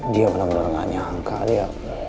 dia bener bener gak nyangka dia